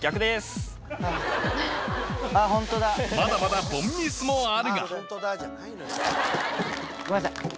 まだまだ凡ミスもあるがごめんなさい。